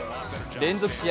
連続試合